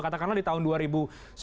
katakanlah di tahun ini